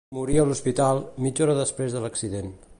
Morí a l'hospital, mitja hora després de l'accident.